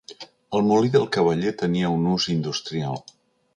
El molí del cavaller tenia un ús industrial.